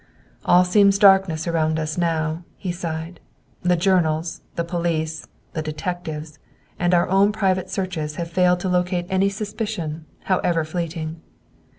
"All seems darkness around us, now," he sighed. "The journals, the police, the detectives, and our own private searches have failed to locate any suspicion, however fleeting.